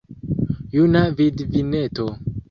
Juna vidvineto!